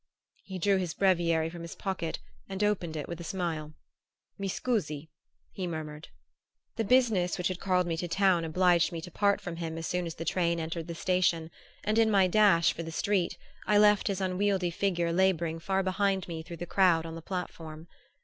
He drew his breviary from his pocket and opened it with a smile. "Mi scusi?" he murmured. The business which had called me to town obliged me to part from him as soon as the train entered the station, and in my dash for the street I left his unwieldy figure laboring far behind me through the crowd on the platform.